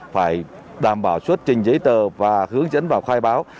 phải đảm bảo xuất trình giấy tờ và hướng dẫn vào khai báo